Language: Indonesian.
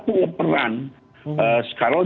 punya peran kalau